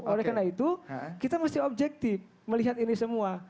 oleh karena itu kita mesti objektif melihat ini semua